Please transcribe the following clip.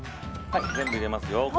全部入れますよ。